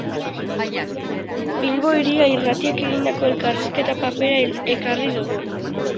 Bilbo Hiria Irratiak egindako elkarrizketa paperera ekarri dugu.